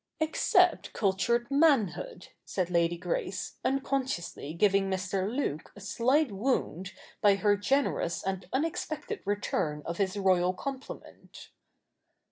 ' Except cultured manhood,' said Lady Grace, un consciously giving Mr. Luke a slight wound by her generous and unexpected return of his royal compliment.